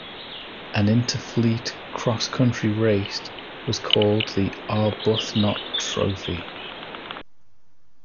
An interfleet crosscountry race was called "The Arbuthnot Trophy".